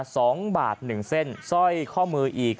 สองบาทหนึ่งเส้นสร้อยข้อมืออีก